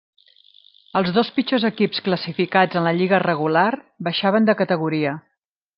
Els dos pitjors equips classificats en la lliga regular baixaven de categoria.